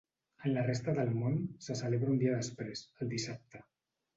En la resta del món, se celebra un dia després, el dissabte.